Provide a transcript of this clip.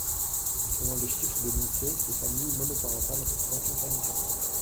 Selon les chiffres de l’INSEE, ces familles monoparentales représentent une famille sur cinq.